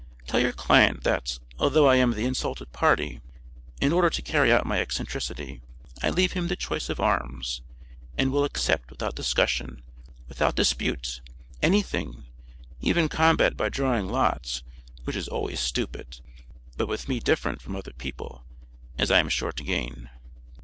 Tell your client that, although I am the insulted party, in order to carry out my eccentricity, I leave him the choice of arms, and will accept without discussion, without dispute, anything, even combat by drawing lots, which is always stupid, but with me different from other people, as I am sure to gain."